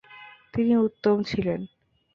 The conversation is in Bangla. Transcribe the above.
তিনি উত্তম ছিলেন।